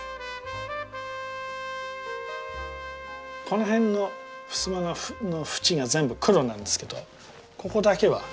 この辺のふすまの縁が全部黒なんですけどここだけは赤いんです。